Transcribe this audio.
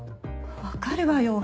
わかるわよ。